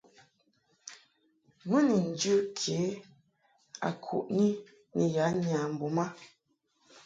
Mɨ ni njɨ kejɨ a kuʼni ni ya nyambum a.